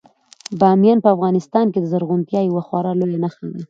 بامیان په افغانستان کې د زرغونتیا یوه خورا لویه نښه ده.